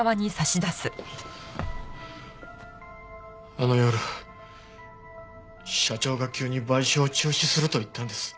あの夜社長が急に買収を中止すると言ったんです。